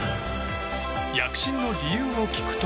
躍進の理由を聞くと。